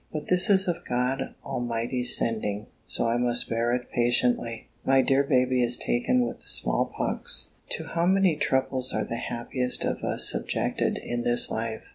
But this is of God Almighty's sending; so I must bear it patiently. My dear baby is taken with the small pox! To how many troubles are the happiest of us subjected in this life!